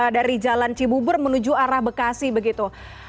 dari jalan cibubur menuju arah bekasi begitu